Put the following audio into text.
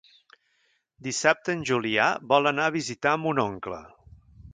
Dissabte en Julià vol anar a visitar mon oncle.